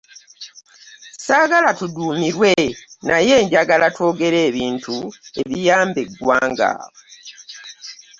Ssaagala tuduumirwe, naye njagala twogere ebintu ebiyamba eggwanga